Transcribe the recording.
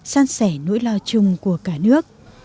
san sẻ nỗi lo chung của cả nước